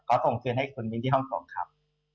ขอส่งคืนให้คุณวิ่งที่ห้องสมครับ